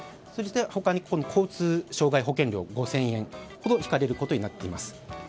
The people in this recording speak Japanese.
そして他に交通傷害保険料５０００円ほど引かれることになっています。